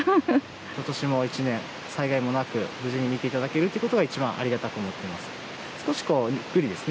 ことしも１年、災害もなく無事に見ていただけるということがありがたいです。